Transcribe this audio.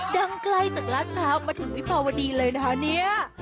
ดังใกล้จากราชเท้ามาถึงวิภาวดีเลยนะเนี่ย